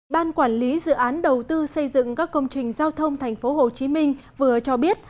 ban quản lý dự án đầu tư xây dựng các công trình giao thông thành phố hồ chí minh vừa cho biết